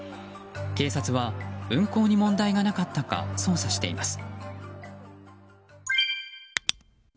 警察は運行に問題がなかったか捜査しています。